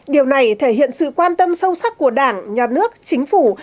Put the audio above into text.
điều này thể hiện sự quan tâm sâu sắc của đảng nhà nước chính phủ